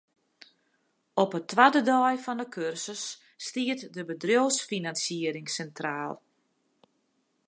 Op 'e twadde dei fan 'e kursus stiet de bedriuwsfinansiering sintraal.